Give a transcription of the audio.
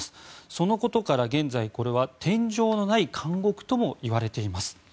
そのことから現在天井のない監獄ともいわれています。